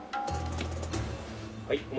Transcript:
はい。